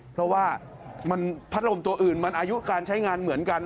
เพราะว่าพัดลมตัวอื่นมันอายุการใช้งานเหมือนกัน